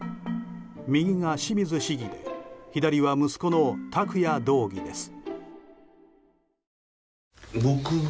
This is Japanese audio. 右が清水市議で左は息子の拓也道議です。